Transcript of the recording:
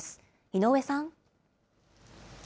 井上さん。